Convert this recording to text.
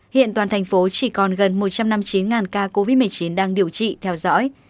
hiện toàn thành phố chỉ còn gần một trăm năm mươi chín ca covid một mươi chín đang điều trị theo dõi